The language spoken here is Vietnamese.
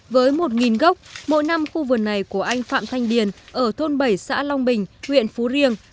với một gốc mỗi năm khu vườn này của anh phạm thanh điền ở thôn bảy xã long bình huyện phú riêng